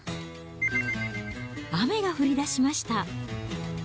雨が降りだしました。